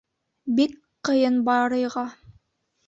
Бик ҡыйын Барыйға.